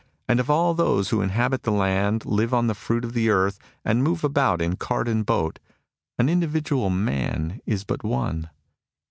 And of all those who inhabit the land, live on the fruit of the earth, and move about in cart and boat, an individual man is but one.